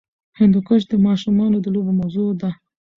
هندوکش د ماشومانو د لوبو موضوع ده.